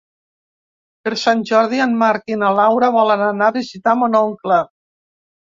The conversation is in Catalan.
Per Sant Jordi en Marc i na Laura volen anar a visitar mon oncle.